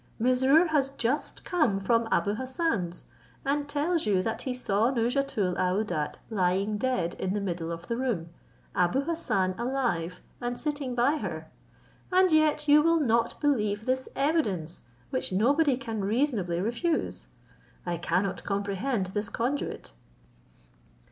Mesrour has just come from Abou Hassan's, and tells you that he saw Nouzhatoul aouadat lying dead in the middle of the room, Abou Hassan alive, and sitting by her; and yet you will not believe this evidence, which nobody can reasonably refuse; I cannot comprehend this conduit."